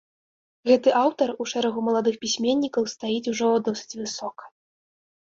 Гэты аўтар у шэрагу маладых пісьменнікаў стаіць ужо досыць высока.